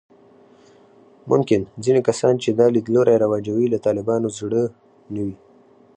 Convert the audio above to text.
ممکن ځینې کسان چې دا لیدلوري رواجوي، له طالبانو زړه نه وي